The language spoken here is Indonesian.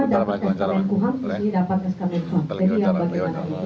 jadi yang bagian lain itu yang saya dapatkan lagi